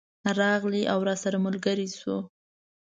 راغلی او راسره ملګری شو.